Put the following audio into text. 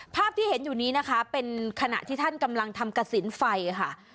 ภาพที่เห็นอยู่นี้นะคะเป็นขณะที่ท่านกำลังทำกระสินไฟค่ะ